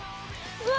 うわ！